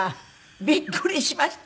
びっくりしました。